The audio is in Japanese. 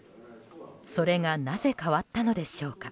それがなぜ変わったのでしょうか。